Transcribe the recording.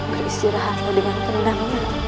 beristirahatlah dengan tenang